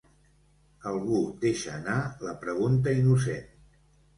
Algú deixa anar la pregunta innocent.